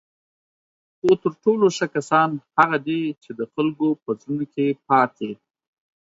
خو تر ټولو ښه کسان هغه دي چی د خلکو په زړونو کې پاتې